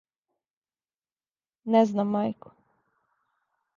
Не знам, мајко.